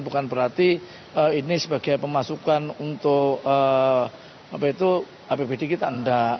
bukan berarti ini sebagai pemasukan untuk apbd kita enggak